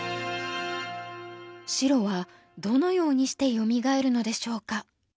白はどのようにしてよみがえるのでしょうか。